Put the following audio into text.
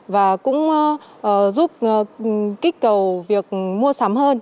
và cũng giúp kích cầu việc mua sắm hơn